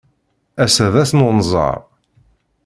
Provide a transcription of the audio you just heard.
Ass-a d ass n unẓar.